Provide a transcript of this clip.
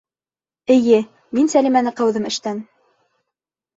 Эйе, мин Сәлимәне ҡыуҙым эштән.